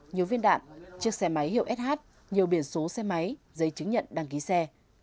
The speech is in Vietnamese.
nhiều viên đạn chiếc xe máy hiệu sh nhiều biển số xe máy giấy chứng nhận đăng ký xe